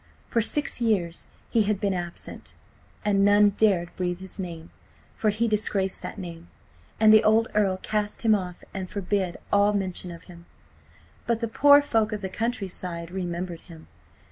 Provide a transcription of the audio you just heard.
For six years he had been absent, and none dared breathe his name, for he disgraced that name, and the old Earl cast him off and forbade all mention of him. But the poor folk of the countryside remembered him.